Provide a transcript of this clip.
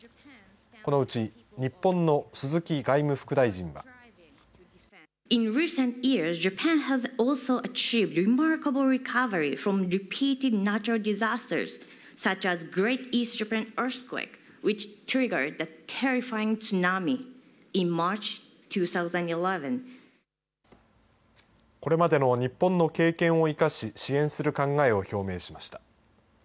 このうち日本の鈴木外務副大臣はこれまでの日本の経験を生かし支援する考えを表明しました。